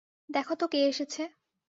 দেখো তো কে এসেছে।